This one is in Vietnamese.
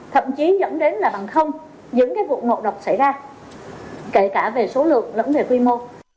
thậm chí dẫn đến là bằng không những cái vụ ngộ độc xảy ra kể cả về số lượng lẫn về quy mô